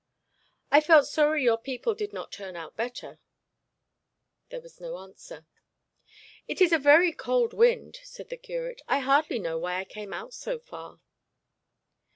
'I felt sorry your people did not turn out better.' There was no answer. 'It is a very cold wind,' said the curate. 'I hardly know why I came out so far.'